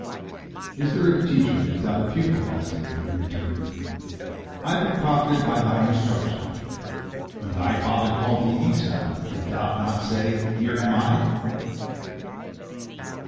"Is there a teacher without a pupil?" asked Leah, in return. "I but profited by thy instruction. When thy father called thee Esau, didst thou not say, Here am I?"